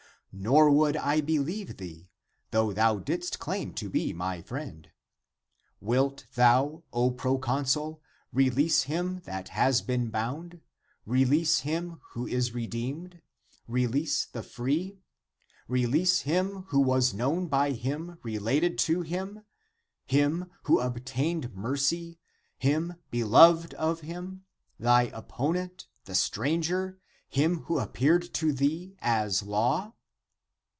> Nor would I believe thee, though thou didst claim to be my friend. Wilt thou, O proconsul, release him that has been bound? release him, who is redeemed? re lease the free? < Release him who was known by him related to him ; him, who obtained mercy ? him, beloved of him? thy opponent? the stranger? him who appeared to thee as law?>